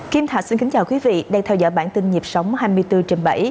kim thạch xin kính chào quý vị đang theo dõi bản tin nhịp sống hai mươi bốn trên bảy